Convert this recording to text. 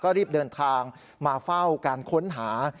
รีบเดินทางมาเฝ้าการค้นหา